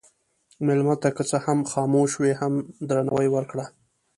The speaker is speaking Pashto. مېلمه ته که څه هم خاموش وي، هم درناوی ورکړه.